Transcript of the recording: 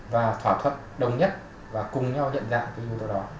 và thỏa thuận đồng nhất và cùng nhau nhận dạng cái điều đó